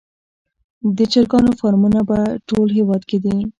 د چرګانو فارمونه په ټول هیواد کې دي